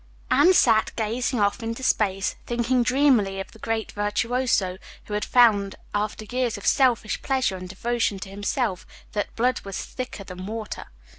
Anne sat gazing off into space, thinking dreamily of the great virtuoso who had found after years of selfish pleasure and devotion to himself that blood was thicker than water.